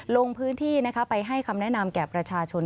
ลงพื้นที่ไปให้คำแนะนำแก่ประชาชน